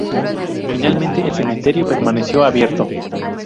Finalmente el cementerio permaneció abierto.